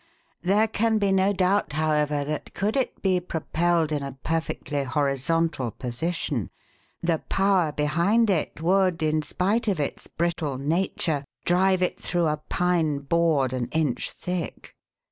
There can be no doubt, however, that could it be propelled in a perfectly horizontal position, the power behind it would, in spite of its brittle nature, drive it through a pine board an inch thick.